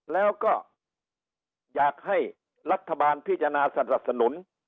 แล้วก็อยากให้รัฐบาลพิจารณาสนับสนุน